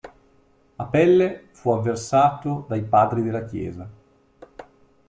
Apelle fu avversato dai Padri della Chiesa.